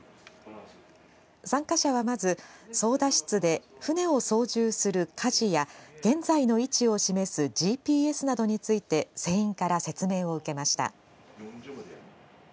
参加者は、まず操だ室で訓練を操縦するかじや現在の位置を示すＧＰＳなどについて船員から説明を受けました。